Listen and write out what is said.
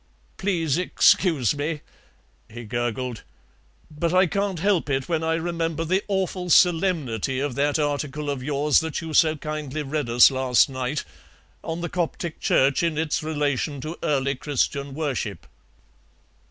"Please excuse me," he gurgled, "but I can't help it when I remember the awful solemnity of that article of yours that you so kindly read us last night, on the Coptic Church in its relation to early Christian worship."